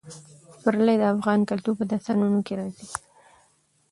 پسرلی د افغان کلتور په داستانونو کې راځي.